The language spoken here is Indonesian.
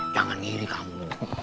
jangan ngiri kamu